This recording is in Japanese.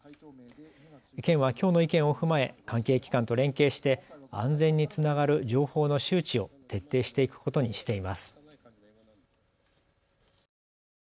県はきょうの意見を踏まえ関係機関と連携して安全につながる情報の周知を徹底していくことにしています。